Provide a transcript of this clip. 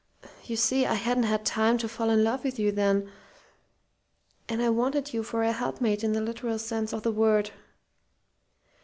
You see, I hadn't had time to fall in love with you then. And I wanted you for a 'help mate' in the literal sense of the word.